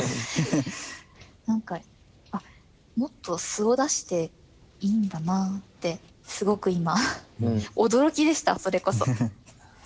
何かもっと素を出していいんだなってすごく今驚きでしたそれこそ。